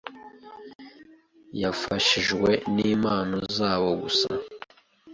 bafashijwe n’impano zabo gusa